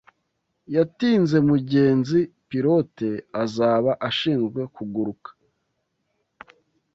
yatinze Mugenzi pilote azaba ashinzwe kuguruka